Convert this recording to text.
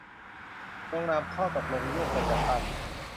ลงนามข้อตกลงร่วมกันจัดตั้ง